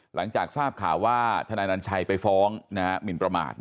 หลังจากทราบข่าวว่าทนายนัญชัยไปฟ้องหมินประมาท